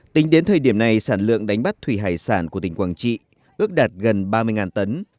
tính đến thời điểm này sản lượng đánh bắt thủy hải sản của tỉnh quảng trị ước đạt gần ba mươi tấn